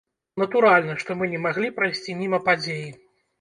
Натуральна, што мы не маглі прайсці міма падзеі.